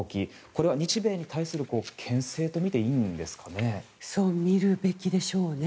これは日米に対するけん制と見ていいんでしょうかね。